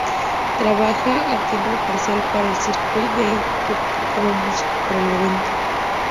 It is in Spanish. Trabaja a tiempo parcial para el Cirque du Soleil, como músico para el evento.